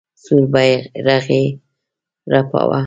سور بیرغ یې رپاوه.